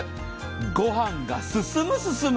御飯が進む、進む。